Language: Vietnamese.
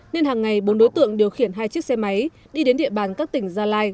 nên hàng ngày bốn đối tượng điều khiển hai chiếc xe máy đi đến địa bàn các tỉnh gia lai